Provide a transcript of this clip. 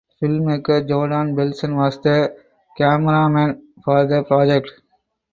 Filmmaker Jordan Belson was the cameraman for the project.